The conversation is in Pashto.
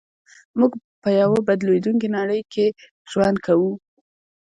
موږ په يوه بدلېدونکې نړۍ کې ژوند کوو.